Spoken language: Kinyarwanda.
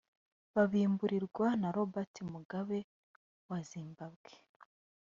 babimburirwa na Robert Mugabe wa Zimbabwe